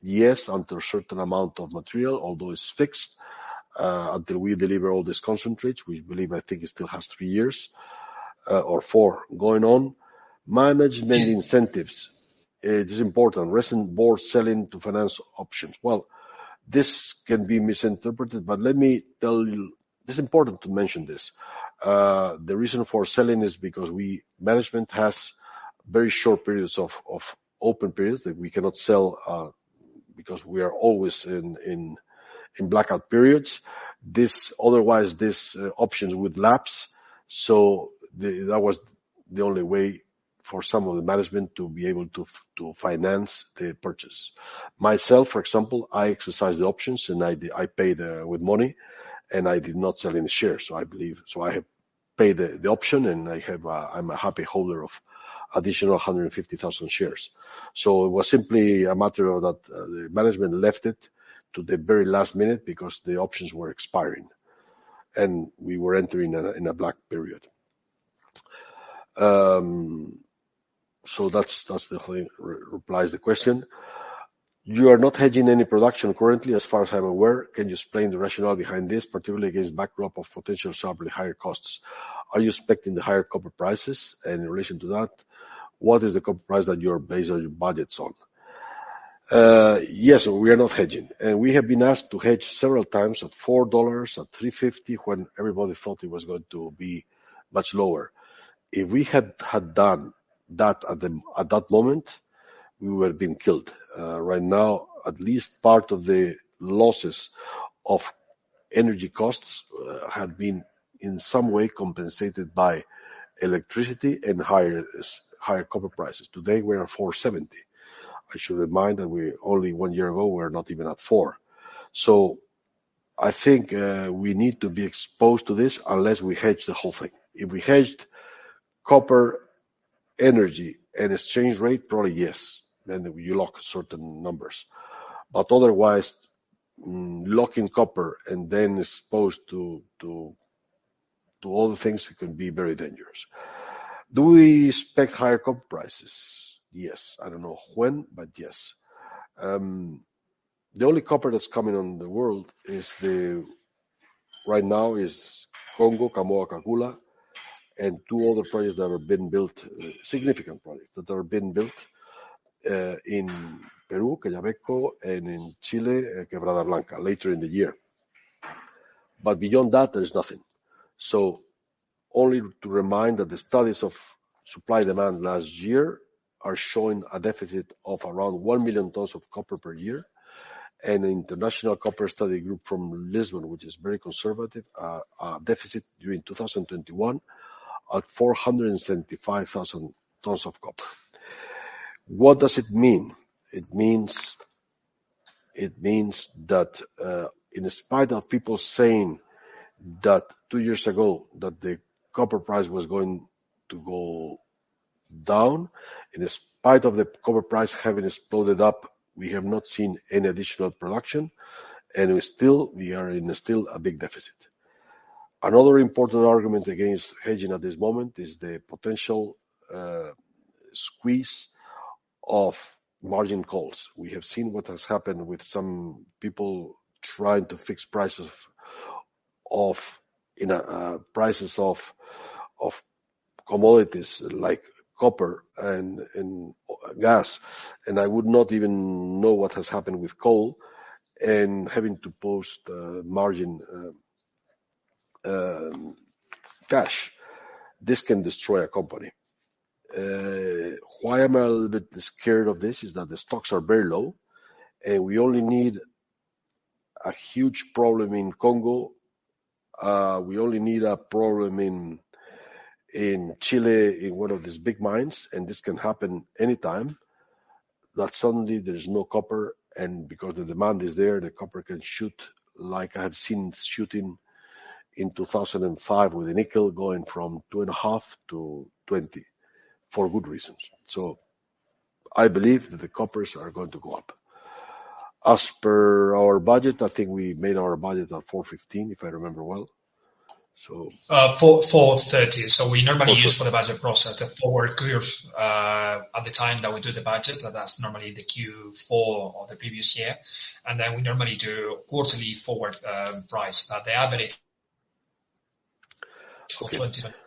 yes, under a certain amount of material, although it's fixed, until we deliver all this concentrates. We believe it still has three years or four going on. Management incentives. It is important. Recent board selling to finance options. Well, this can be misinterpreted, but let me tell you it's important to mention this. The reason for selling is because management has very short periods of open periods that we cannot sell because we are always in blackout periods. Otherwise, these options would lapse. That was the only way for some of the management to be able to finance the purchase. Myself, for example, I exercised the options, and I paid with money, and I did not sell any shares. I have paid the option, and I have, I'm a happy holder of additional 150,000 shares. It was simply a matter of that, the management left it to the very last minute because the options were expiring, and we were entering in a blackout period. That's definitely replies to the question. You are not hedging any production currently, as far as I'm aware. Can you explain the rationale behind this, particularly against the backdrop of potential sharply higher costs? Are you expecting higher copper prices? And in relation to that, what is the copper price that your budgets are based on? Yes, we are not hedging. We have been asked to hedge several times at $4, at $3.50, when everybody thought it was going to be much lower. If we had done that at that moment, we would have been killed. Right now, at least part of the losses of energy costs had been in some way compensated by electricity and higher copper prices. Today we are $4.70. I should remind that we only one year ago were not even at $4. I think we need to be exposed to this unless we hedge the whole thing. If we hedged copper energy and exchange rate, probably, yes, then you lock certain numbers. Otherwise, locking copper and then exposed to all the things, it can be very dangerous. Do we expect higher copper prices? Yes. I don't know when, but yes. The only copper that's coming on the world is the... Right now is Congo, Kamoa-Kakula, and two other projects that have been built, significant projects that are being built in Peru, Quellaveco, and in Chile, Quebrada Blanca later in the year. Beyond that, there is nothing. Only to remind that the studies of supply and demand last year are showing a deficit of around 1 million tons of copper per year. An International Copper Study Group from Lisbon, which is very conservative, a deficit during 2021 at 475,000 tons of copper. What does it mean? It means that in spite of people saying that two years ago that the copper price was going to go down, in spite of the copper price having exploded up, we have not seen any additional production, and we are still in a big deficit. Another important argument against hedging at this moment is the potential squeeze of margin calls. We have seen what has happened with some people trying to fix prices of commodities like copper and gas. I would not even know what has happened with coal and having to post margin cash. This can destroy a company. Why am I a little bit scared of this is that the stocks are very low, and we only need a huge problem in Congo. We only need a problem in Chile, in one of these big mines, and this can happen anytime, that suddenly there's no copper, and because the demand is there, the copper can shoot like I have seen shooting in 2005 with the nickel going from 2.5 - 20 for good reasons. I believe that the copper is going to go up. As per our budget, I think we made our budget at $4.15, if I remember well. $4.43. We normally use for the budget process the forward curves at the time that we do the budget. That's normally the Q4 of the previous year. We normally do quarterly forward price at the average of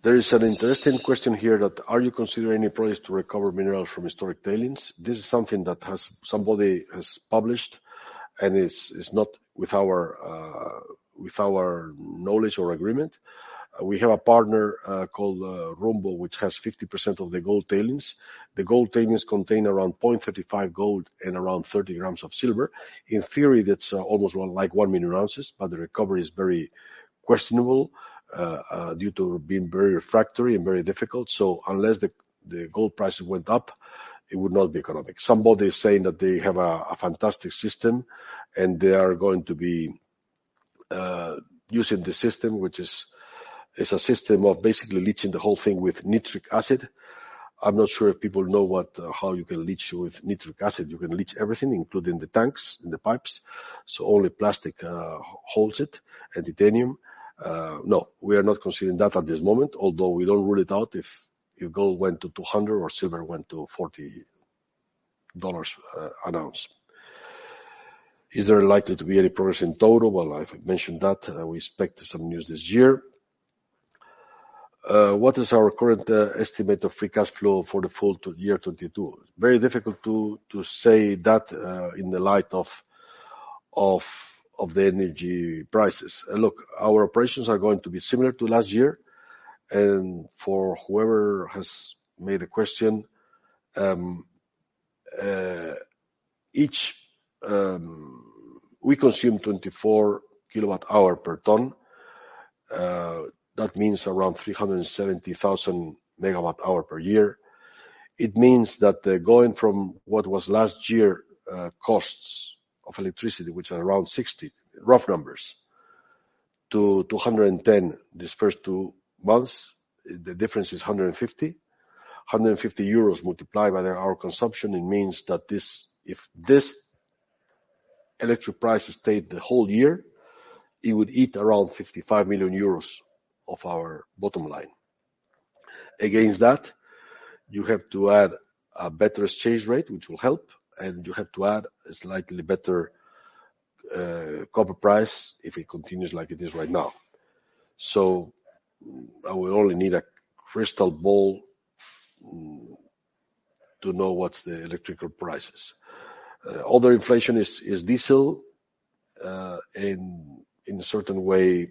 20- There is an interesting question here that are you considering any projects to recover minerals from historic tailings. This is something that somebody has published and is not with our knowledge or agreement. We have a partner called Rumbo, which has 50% of the gold tailings. The gold tailings contain around 0.35 gold and around 30 grams of silver. In theory, that's almost like 1 million ounces, but the recovery is very questionable due to being very refractory and very difficult. Unless the gold prices went up, it would not be economic. Somebody is saying that they have a fantastic system and they are going to be using the system, which is. It's a system of basically leaching the whole thing with nitric acid. I'm not sure if people know what how you can leach with nitric acid. You can leach everything, including the tanks and the pipes. Only plastic holds it, and titanium. No, we are not considering that at this moment, although we don't rule it out if gold went to 200 or silver went to $40 an ounce. Is there likely to be any progress in Touro? Well, I've mentioned that. We expect some news this year. What is our current estimate of free cash flow for the full year 2022? Very difficult to say that in the light of the energy prices. Look, our operations are going to be similar to last year and for whoever has made the question, we consume 24 kWh per ton. That means around 370,000 MWh per year. It means that, going from what was last year, costs of electricity, which are around 60, rough numbers, to 210 these first two months, the difference is 150. 150 euros multiplied by per hour consumption, it means that this—if this electricity price stayed the whole year, it would eat around 55 million euros off our bottom line. Against that, you have to add a better exchange rate, which will help, and you have to add a slightly better copper price if it continues like it is right now. I will only need a crystal ball to know what the electricity prices. Other inflation is diesel, in a certain way,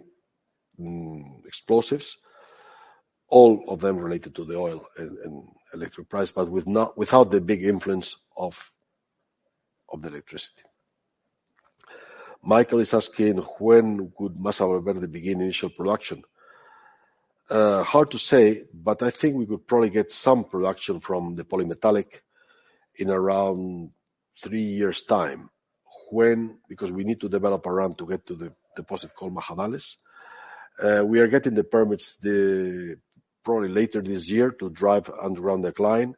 explosives, all of them related to the oil and electricity price, but without the big influence of the electricity. Michael is asking, when could Masa Valverde begin initial production? Hard to say, but I think we could probably get some production from the polymetallic in around three years' time. When? Because we need to develop a ramp to get to the deposit called Majadales. We are getting the permits probably later this year to drive underground decline.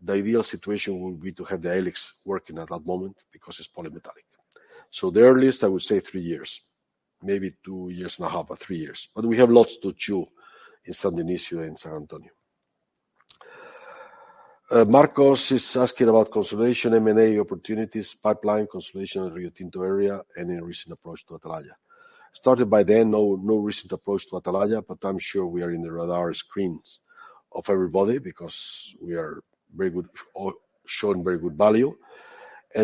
The ideal situation would be to have the E-LIX working at that moment because it's polymetallic. The earliest, I would say three years. Maybe two years and a half or three years. But we have lots to chew in San Dionisio and San Antonio. Marcos is asking about consolidation, M&A opportunities, pipeline consolidation in Río Tinto area, any recent approach to Atalaya. Starting by the end, no recent approach to Atalaya, but I'm sure we are in the radar screens of everybody because we are very good for showing very good value.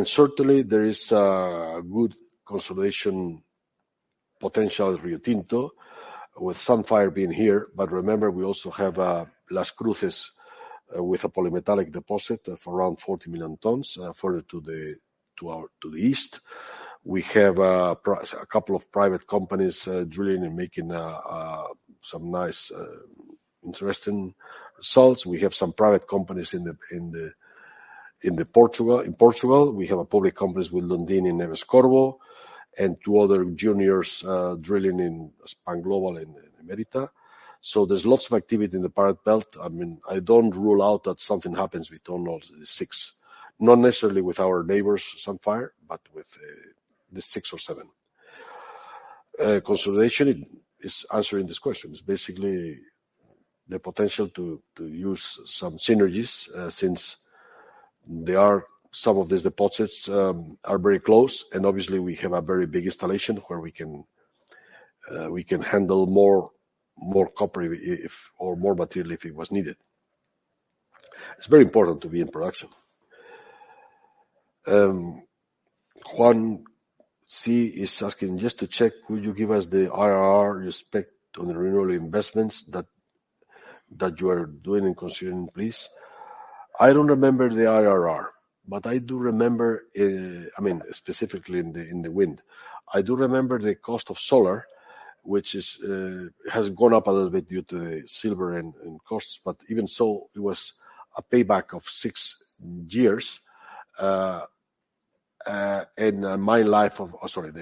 Certainly, there is good consolidation potential Río Tinto with Sandfire being here. Remember, we also have Las Cruces with a polymetallic deposit of around 40 million tons further to the east. We have a couple of private companies drilling and making some nice interesting results. We have some private companies in Portugal. We have public companies with Lundin in Neves-Corvo and two other juniors drilling in Pan Global in Emerita. There's lots of activity in the Pyrite Belt. I mean, I don't rule out that something happens with all of the six. Not necessarily with our neighbors, Sandfire, but with the six or seven. Consolidation is answering this question. It's basically the potential to use some synergies since they are some of these deposits are very close, and obviously we have a very big installation where we can handle more copper or more material if it was needed. It's very important to be in production. Juan C. is asking, just to check, could you give us the IRR with respect to the renewable investments that you are doing and considering, please? I don't remember the IRR, but I do remember, I mean, specifically in the wind. I do remember the cost of solar, which has gone up a little bit due to the silver and costs. Even so, it was a payback of six years. The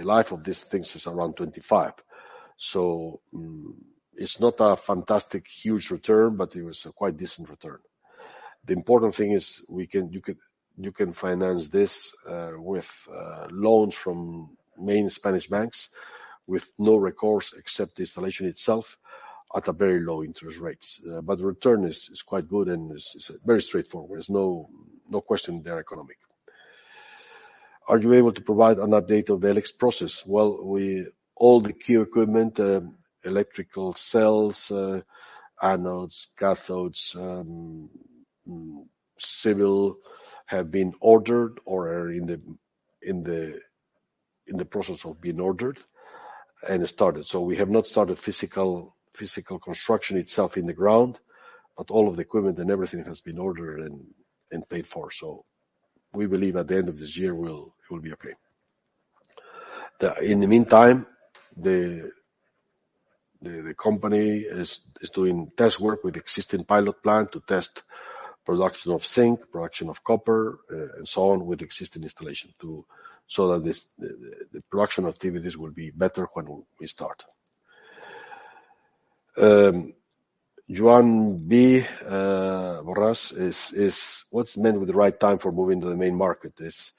life of these things is around 25. It's not a fantastic, huge return, but it was a quite decent return. The important thing is you can finance this with loans from main Spanish banks with no recourse except the installation itself at a very low interest rates. The return is quite good and is very straightforward. There's no question they're economic. Are you able to provide an update of the E-LIX process? Well, we... All the key equipment, electrical cells, anodes, cathodes, civil, have been ordered or are in the process of being ordered and started. We have not started physical construction itself in the ground, but all of the equipment and everything has been ordered and paid for. We believe at the end of this year we'll, it will be okay. In the meantime, the company is doing test work with existing pilot plant to test production of zinc, production of copper, and so on with existing installation so that this, the production activities will be better when we start. Joan B. Borras, is what's meant with the right time for moving to the main market? Is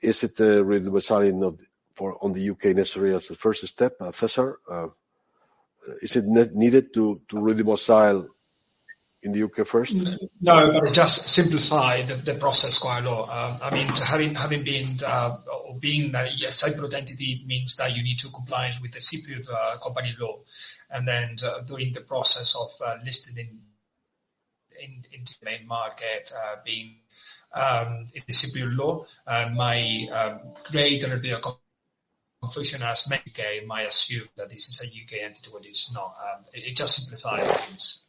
it really we're relisting on the UK necessary as the first step? César, is it needed to really relist in the UK first? No. Just simplify the process quite a lot. I mean, having been or being a Cyprus entity means that you need to comply with the Cyprus company law, and then during the process of listing into the main market, being the Cyprus law might create a confusion as many UK might assume that this is a UK entity when it's not. It just simplifies this.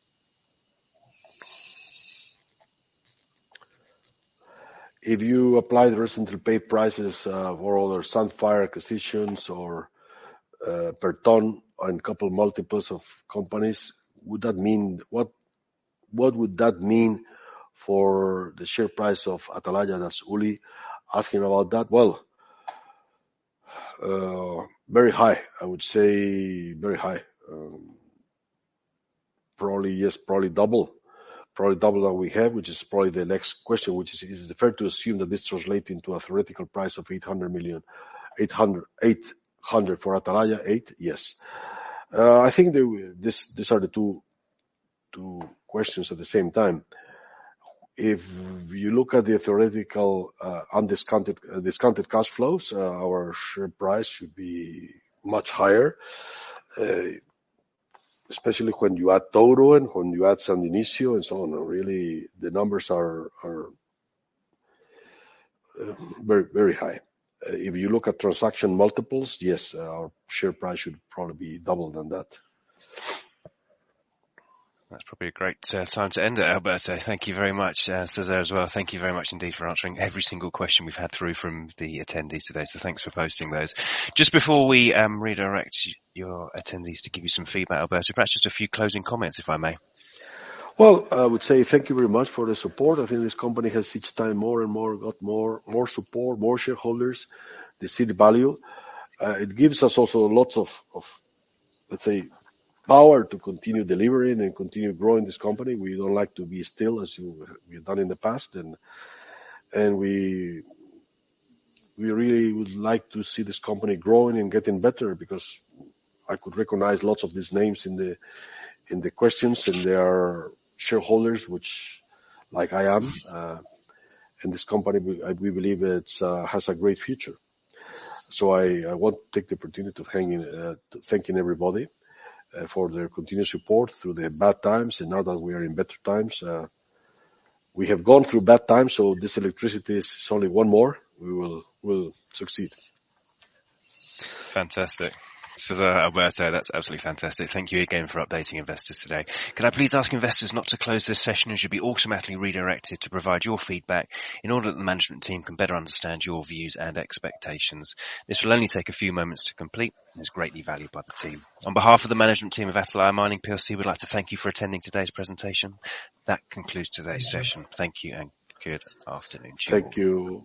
If you apply the recent takeover prices for all their Sandfire acquisitions or per tonne on copper multiples of companies, would that mean? What would that mean for the share price of Atalaya? That's Uli asking about that. Well, very high. I would say very high. Probably, yes, probably double. Probably double than we have, which is probably the next question, which is it fair to assume that this translate into a theoretical price of 800 million for Atalaya, eight? Yes. I think these are the two questions at the same time. If you look at the theoretical undiscounted discounted cash flows, our share price should be much higher, especially when you add Touro and when you add San Dionisio and so on. Really, the numbers are very high. If you look at transaction multiples, yes, our share price should probably be double than that. That's probably a great time to end it, Alberto. Thank you very much. César as well. Thank you very much indeed for answering every single question we've had through from the attendees today. Thanks for posting those. Just before we redirect your attendees to give you some feedback, Alberto, perhaps just a few closing comments, if I may. Well, I would say thank you very much for the support. I think this company has each time more and more support, more shareholders. They see the value. It gives us also lots of, let's say, power to continue delivering and continue growing this company. We don't like to be still as we've done in the past and we really would like to see this company growing and getting better because I could recognize lots of these names in the questions, and they are shareholders which, like I am, in this company, we, and we believe it has a great future. I want to take the opportunity to thank everybody for their continued support through the bad times, and now that we are in better times. We have gone through bad times, so this electricity is only one more. We will succeed. Fantastic. César, Alberto, that's absolutely fantastic. Thank you again for updating investors today. Could I please ask investors not to close this session, as you'll be automatically redirected to provide your feedback in order that the management team can better understand your views and expectations. This will only take a few moments to complete and is greatly valued by the team. On behalf of the management team of Atalaya Mining plc, we'd like to thank you for attending today's presentation. That concludes today's session. Thank you and good afternoon to you all.